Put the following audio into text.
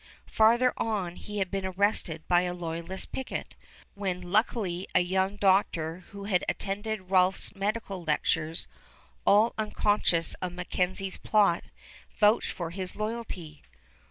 Farther on he had been arrested by a loyalist picket, when luckily a young doctor who had attended Rolph's medical lectures, all unconscious of MacKenzie's plot, vouched for his loyalty.